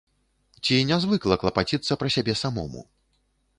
Ці нязвыкла клапаціцца пра сябе самому?